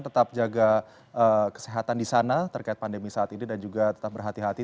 tetap jaga kesehatan di sana terkait pandemi saat ini dan juga tetap berhati hati